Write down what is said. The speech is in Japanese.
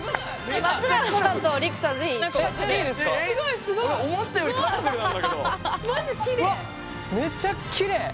めっちゃきれい！